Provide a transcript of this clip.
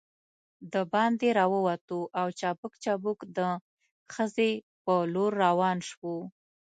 دباندې راووتو او چابک چابک د خزې په لور روان شوو.